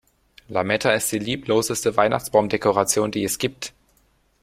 Lametta ist die liebloseste Weihnachtsbaumdekoration, die es gibt.